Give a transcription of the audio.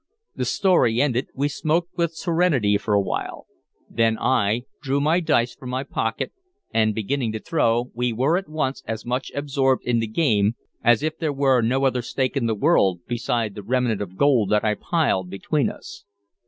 The story ended, we smoked with serenity for a while; then I drew my dice from my pocket, and, beginning to throw, we were at once as much absorbed in the game as if there were no other stake in the world beside the remnant of gold that I piled between us.